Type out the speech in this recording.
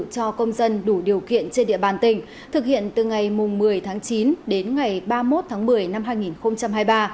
cho công dân đủ điều kiện trên địa bàn tỉnh thực hiện từ ngày một mươi tháng chín đến ngày ba mươi một tháng một mươi năm hai nghìn hai mươi ba